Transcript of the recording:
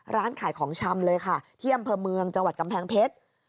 ร้านขายของชำเลยค่ะที่อำเภอเมืองจังหวัดกำแพงเพชร